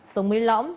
sống mấy lõng